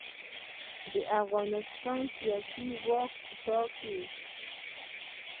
د افغانستان سیاسي خپلواکۍ ګټل.